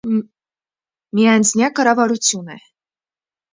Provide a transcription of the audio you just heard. Միանձնյա կառավարություն է։